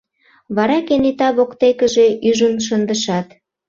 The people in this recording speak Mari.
Вара кенета воктекыже ӱжын шындышат...